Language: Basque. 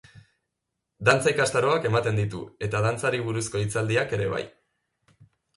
Dantza ikastaroak ematen ditu, eta dantzari buruzko hitzaldiak ere bai.